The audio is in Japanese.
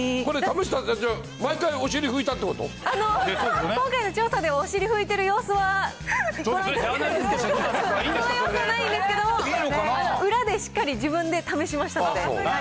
これ試してって、今回の調査では、お尻拭いてる様子はご覧いただけないんですけど、その様子はないんですけれども、裏でしっかり自分で試しましたので。